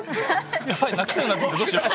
やばい泣きそうになってきたどうしよう。